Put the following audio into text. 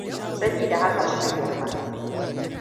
Sabida haka muka girma.